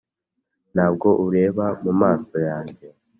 ntabwo ureba mu maso yanjye,